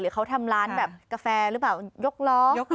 เขาทำร้านแบบกาแฟหรือเปล่ายกล้อ